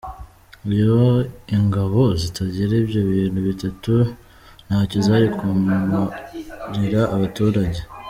Iyo ingabo zitagira ibyo bintu bitatu, nta cyo zari kumarira abaturage.